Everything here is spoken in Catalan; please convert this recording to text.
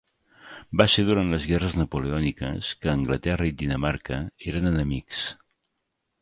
Va ser durant les guerres napoleòniques que Anglaterra i Dinamarca eren enemics.